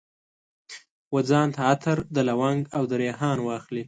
وځان ته عطر، د لونګ او دریحان واخلي